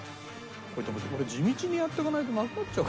これだけど俺地道にやっていかないとなくなっちゃうからな。